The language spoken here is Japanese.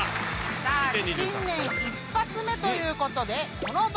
さあ新年一発目ということで。